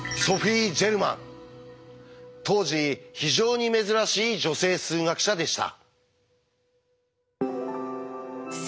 当時非常に珍しい女性数学者でした。